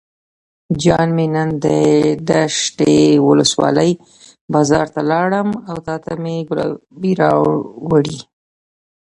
جان مې نن دشټي ولسوالۍ بازار ته لاړم او تاته مې ګلابي راوړې.